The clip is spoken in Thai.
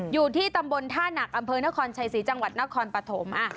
อยู่ที่ตำบลท่านักอำเภอนครชัยศรีจังหวัดนครปฐม